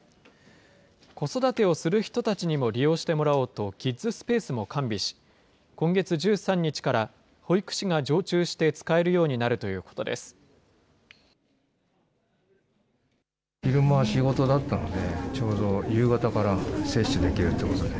子育てをする人たちにも利用してもらおうと、キッズスペースも完備し、今月１３日から保育士が常駐して使えるようになるということです。